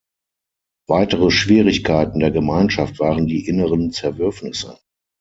Weitere Schwierigkeiten der Gemeinschaft waren die inneren Zerwürfnisse.